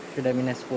sudah minus sepuluh